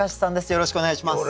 よろしくお願いします。